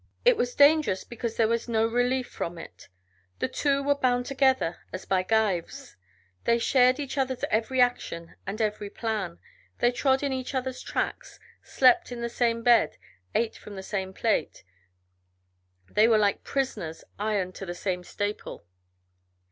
It was dangerous because there was no relief from it: the two were bound together as by gyves; they shared each other's every action and every plan; they trod in each other's tracks, slept in the same bed, ate from the same plate. They were like prisoners ironed to the same staple.